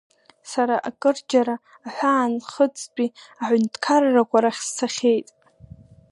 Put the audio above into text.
Сара акырџьара аҳәаанхыҵтәи аҳәынҭаррақәа рахь сцахьеит.